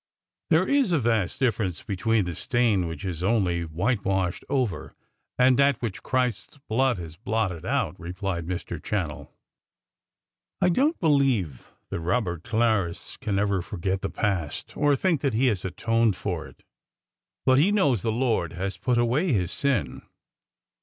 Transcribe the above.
"There is a vast difference between the stain which is only whitewashed over, and that which Christ's blood has blotted out," replied Mr. Channell. "I don't believe that Robert Clarris can ever forget the past, or think that he has atoned for it. But he knows that the Lord has put away his sin."